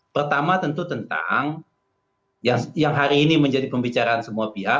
pertama tentu tentang yang hari ini menjadi pembicaraan semua pihak